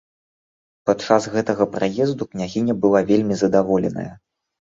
Падчас гэтага прыезду княгіня была вельмі задаволеная!